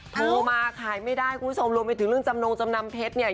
โทรมาขายไม่ได้คุณผู้ชมรวมไปถึงเรื่องจำนงจำนำเพชรเนี่ย